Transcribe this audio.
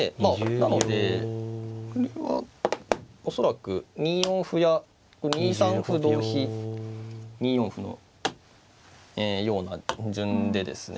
なのでこれは恐らく２四歩や２三歩同飛２四歩のような順でですね。